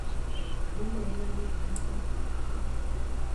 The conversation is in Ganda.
Gumerera mu ttaka.